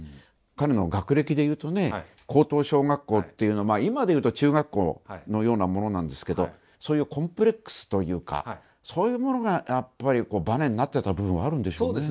彼の学歴で言うとね高等小学校っていう今で言うと中学校のようなものなんですけどそういうコンプレックスというかそういうものがやっぱりバネになってた部分はあるんでしょうね。